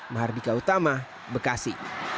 mahardika utama bekasi